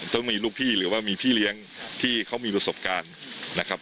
ต้องมีลูกพี่หรือว่ามีพี่เลี้ยงที่เขามีประสบการณ์นะครับ